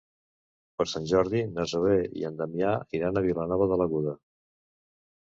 Per Sant Jordi na Zoè i en Damià iran a Vilanova de l'Aguda.